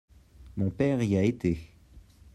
Mon père y a été.